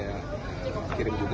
kirim juga dari habib juga